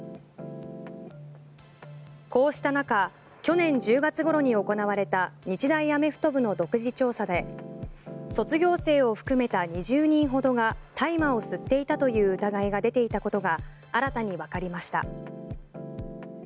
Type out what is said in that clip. こうした中去年１０月ごろに行われた日大アメフト部の独自調査で卒業生を含めた２０人ほどが大麻を吸っていたという疑いが出ていたことが新たにわかりました。